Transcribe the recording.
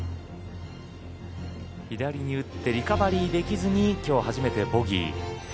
左に打ってリカバリーできずにきょう初めてボギー。